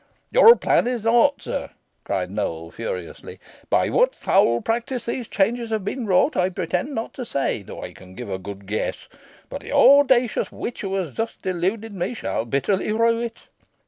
"Your plan is naught, sir," cried Nowell, furiously, "By what foul practice these changes have been wrought I pretend not to say, though I can give a good guess; but the audacious witch who has thus deluded me shall bitterly rue it."